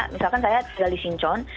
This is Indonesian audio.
misalkan saya di sincon